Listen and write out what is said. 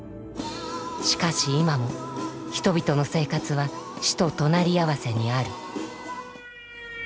しかし今も人々の生活は死と隣り合わせにある。